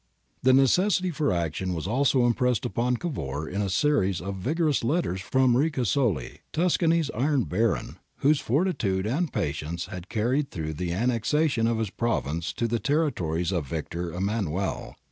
The necessity for action was also impressed upon Cavour in a series of vigorous letters from Ricasoli, Tus cany 's 'iron baron,' whose fortitude and patience had carried through the annexation of his province to the territories of Victor Emmanuel.